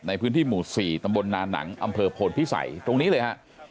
ในพื้นที่หมู่๔ตำบลนานหลังอพภิษัยตรงนี้เลยฮะ